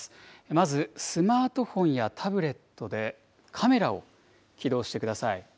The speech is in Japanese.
まずスマートフォンやタブレットでカメラを起動してください。